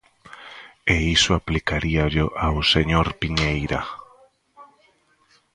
E iso aplicaríallo ao señor Piñeira.